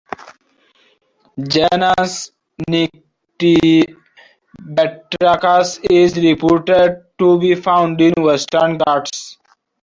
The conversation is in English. Genus "Nyctibatrachus" is reported to be found in Western Ghats.